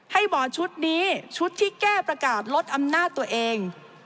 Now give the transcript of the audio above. บ่อชุดนี้ชุดที่แก้ประกาศลดอำนาจตัวเอง